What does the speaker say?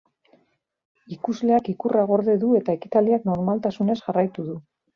Ikusleak ikurra gorde du eta ekitaldiak normaltasunez jarraitu du.